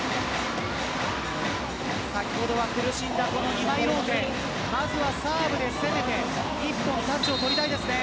先ほどは苦しんだこの２枚ローテまずはサーブで攻めて１本取りたいですね。